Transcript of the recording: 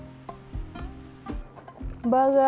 bagang siapa tidak memegang agama